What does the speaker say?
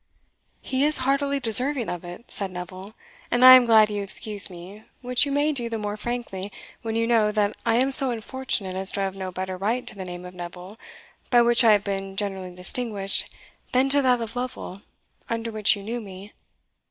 "He is heartily deserving of it," said Neville; "and I am glad you excuse me, which you may do the more frankly, when you know that I am so unfortunate as to have no better right to the name of Neville, by which I have been generally distinguished, than to that of Lovel, under which you knew me."